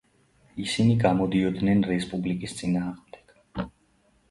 ისინი გამოდიოდნენ რესპუბლიკის წინააღმდეგ.